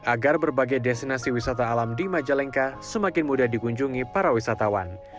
agar berbagai destinasi wisata alam di majalengka semakin mudah dikunjungi para wisatawan